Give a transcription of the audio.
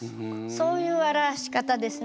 そういう表し方ですね。